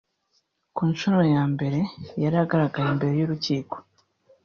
ku nshuro ya mbere yari agaragaye imbere y’urukiko